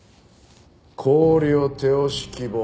「氷を手押し希望」